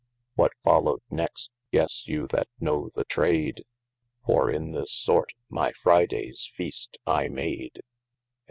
What followed next, gesse you that know the trade, For in this sort, my F\r\y dales feast I made.